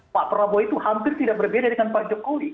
pak prabowo itu hampir tidak berbeda dengan pak jokowi